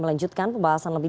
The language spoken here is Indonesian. selamat sore mbak titi